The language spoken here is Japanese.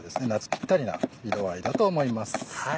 ピッタリな色合いだと思います。